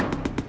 ya udah yaudah